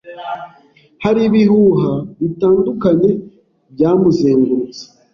Hari ibihuha bitandukanye byamuzengurutse.